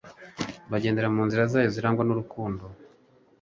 bagendera mu nzira zayo zirangwa n'urukundo.